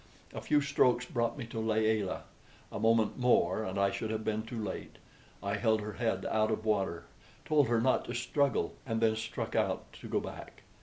A few strokes brought me to Layelah. A moment more and I should have been too late. I held her head out of water, told her not to struggle, and then struck out to go back.